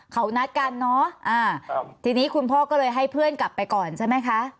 เขานัดกันเนอะอ่าครับทีนี้คุณพ่อก็เลยให้เพื่อนกลับไปก่อนใช่ไหมคะ